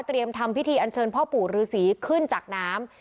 เตรียมทำพิธีอันเชิญพ่อปู่รือสีขึ้นจากน้ำ